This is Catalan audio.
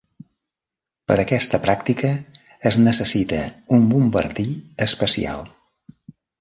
Per aquesta pràctica es necessita un bombardí especial.